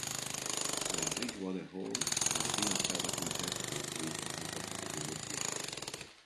La Bridgewater Hall è la prima sala da concerto costruita con questa tecnologia.